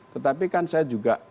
tetapi kan saya juga